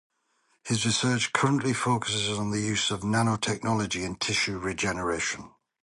His research currently focuses on the use of nanotechnology in tissue regeneration.